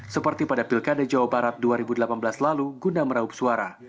seperti pada pilkada jawa barat dua ribu delapan belas lalu guna meraup suara